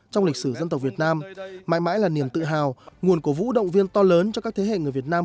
trong lịch sử dân tộc việt nam mãi mãi là niềm tự hào nguồn cổ vũ động viên to lớn cho các thế hệ người việt nam